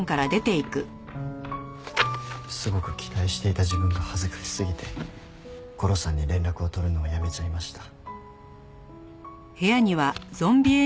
すごく期待していた自分が恥ずかしすぎてゴロさんに連絡をとるのをやめちゃいました。